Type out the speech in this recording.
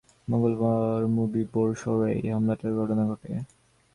মঙ্গলবার মুবি বোর শহরে এই হামলার ঘটনা ঘটে।